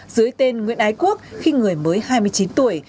dưới tên nguyễn ái quốc khi người mới hai mươi chín tuổi